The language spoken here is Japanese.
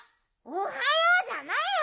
おはようじゃないよ